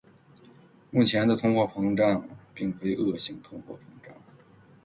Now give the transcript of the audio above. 目前的通货膨胀并非恶性通货膨胀。